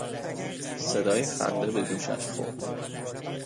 صدای خنده به گوشش خورد.